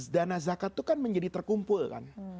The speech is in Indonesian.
dana zakat itu kan menjadi terkumpul kan